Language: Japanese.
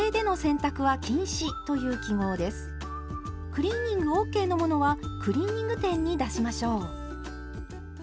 クリーニングＯＫの物はクリーニング店に出しましょう！